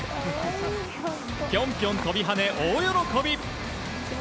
ピョンピョン飛び跳ね、大喜び！